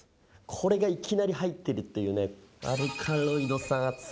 これがいきなり入ってるというね。